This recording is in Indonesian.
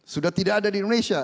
sudah tidak ada di indonesia